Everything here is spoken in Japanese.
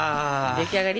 出来上がり？